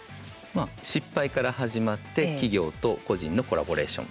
失敗から始まって企業と個人のコラボレーション。